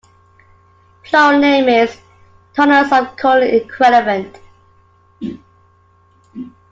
Plural name is "tonnes of coal equivalent".